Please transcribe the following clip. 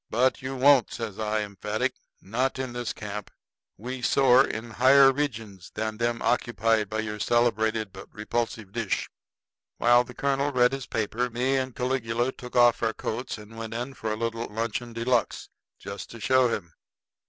"But you won't," says I emphatic. "Not in this camp. We soar in higher regions than them occupied by your celebrated but repulsive dish." While the colonel read his paper, me and Caligula took off our coats and went in for a little luncheon de luxe just to show him.